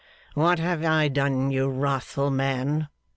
'What have I done, you wrathful man?